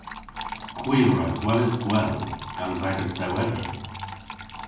Hwi a wra gweles gwell gans agas dewweder.